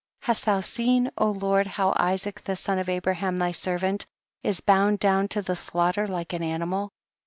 Hast thou seen, Lord, how Isaac the son of Abraham thy ser vant is bound down to the slaughter like an animal